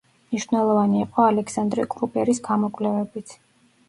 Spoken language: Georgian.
მნიშვნელოვანი იყო ალექსანდრე კრუბერის გამოკვლევებიც.